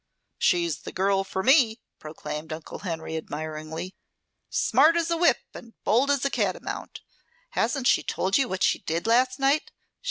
"She's the girl for me," proclaimed Uncle Henry admiringly. "Smart as a whip and as bold as a catamount. Hasn't she told you what she did last night?